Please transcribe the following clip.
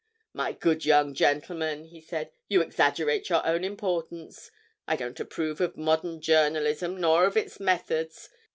"My good young gentleman!" he said. "You exaggerate your own importance. I don't approve of modern journalism nor of its methods.